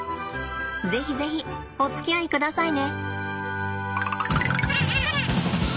是非是非おつきあいくださいね。